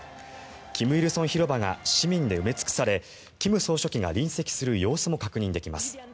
金日成広場が市民で埋め尽くされ金総書記が臨席する様子も確認できます。